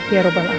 ya rabbal alam